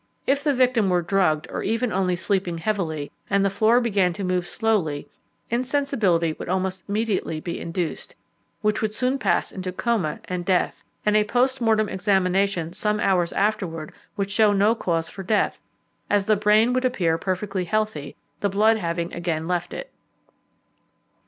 If the victim were drugged or even only sleeping heavily, and the floor began to move slowly, insensibility would almost immediately be induced, which would soon pass into coma and death, and a post mortem examination some hours afterwards would show no cause for death, as the brain would appear perfectly healthy, the blood having again left it.